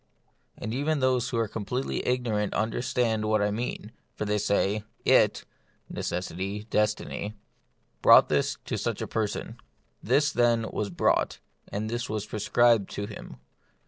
And even those who are completely igno rant understand what I mean, for they say, It (necessity, destiny) brought this to such a per son. This, then, was brought, and this was prescribed to him.